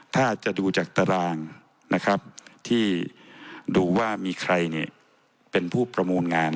ถ้าจะดูจากตารางนะครับที่ดูว่ามีใครเป็นผู้ประมูลงาน